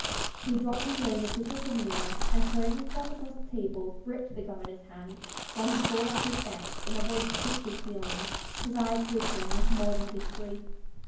He dropped his own official demeanor and throwing himself across the table gripped the Governor's hand while he poured out his thanks in a voice thick with feeling, his eyes glittering with more than victory.